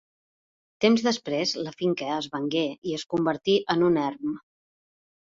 Temps després la finca es vengué i es convertí en un erm.